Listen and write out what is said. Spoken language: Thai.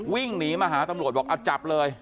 วิ่งหนีมาหาตำรวจบอกเอาจับเลย